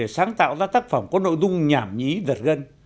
sáng tạo ra tác phẩm có nội dung nhảm nhí giật gân